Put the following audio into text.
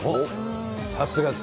さすがです。